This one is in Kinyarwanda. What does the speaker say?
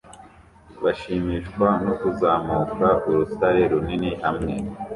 Bashimishwa no kuzamuka ur-utare runini hamwe